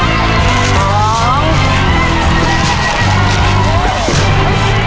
กี่ถุงแล้วลุก